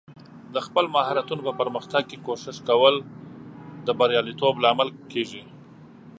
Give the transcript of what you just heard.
د خپل مهارتونو په پرمختګ کې کوښښ کول د بریالیتوب لامل کیږي.